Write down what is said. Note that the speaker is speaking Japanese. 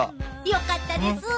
よかったです！